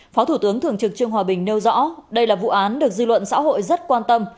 phó thủ tướng thường trực trương hòa bình nêu rõ đây là vụ án được dư luận xã hội rất quan tâm